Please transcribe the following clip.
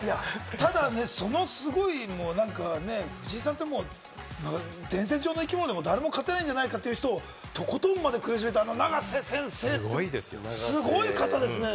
ただね、そのすごい藤井さん、伝説上の生き物で、もう誰も勝てないんじゃないかというところ、とことんまで苦しめた永瀬先生、すごい方ですね。